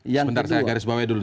sebentar saya garis bawah dulu